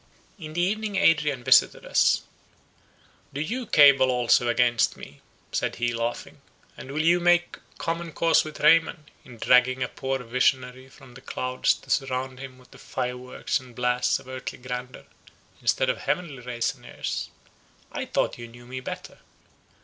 In the evening Adrian visited us.—"Do you cabal also against me," said he, laughing; "and will you make common cause with Raymond, in dragging a poor visionary from the clouds to surround him with the fire works and blasts of earthly grandeur, instead of heavenly rays and airs? I thought you knew me better."